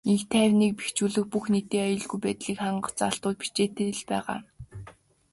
Энх тайвныг бэхжүүлэх, бүх нийтийн аюулгүй байдлыг хангах заалтууд бичээтэй л байгаа.